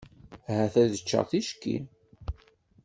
Ahat ad ččeɣ ticki.